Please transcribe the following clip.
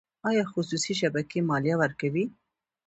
آیا خصوصي شبکې مالیه ورکوي؟